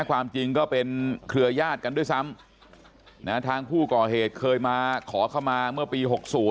ความจริงก็เป็นเครือยาศกันด้วยซ้ำทางผู้ก่อเหตุเคยมาขอเข้ามาเมื่อปี๖๐